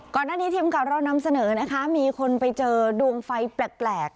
ก่อนหน้านี้ทีมการเรานำเสนอนะคะมีคนไปเจอดวงไฟแปลกแปลก